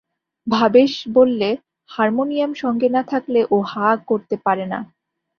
ভবেশ বললে, হার্মোনিয়ম সঙ্গে না থাকলে ও হাঁ করতে পারে না।